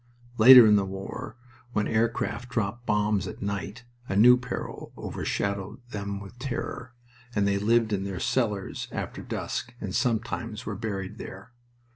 Later in the war, when aircraft dropped bombs at night, a new peril over shadowed them with terror, and they lived in their cellars after dusk, and sometimes were buried there.